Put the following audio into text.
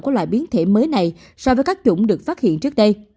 của loại biến thể mới này so với các chủng được phát hiện trước đây